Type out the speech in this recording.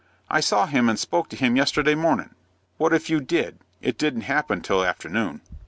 "I saw him and spoke to him yesterday mornin'." "What if you did? It didn't happen till afternoon."